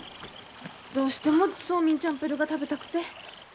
どうしてもソーミンチャンプルーが食べたくて。